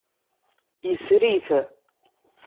Yesri-t.